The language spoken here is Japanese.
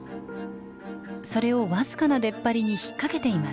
それを僅かな出っ張りに引っ掛けています。